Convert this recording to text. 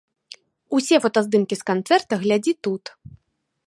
Усе фотаздымкі з канцэрта глядзі тут.